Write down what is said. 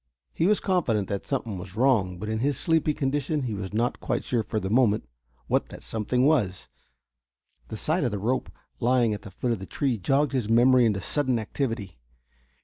He was confident that something was wrong, but in his sleepy condition he was not quite sure for the moment what that something was. The sight of the rope lying at the foot of the tree jogged his memory into sudden activity.